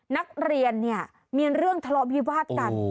นักเรียนเนี่ยมีเรื่องทะเลาะวิวาดกัน